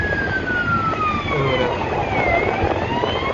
Öwere zadam tapýardyk